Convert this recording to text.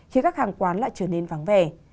khiến các hàng quán lại trở nên vắng vẻ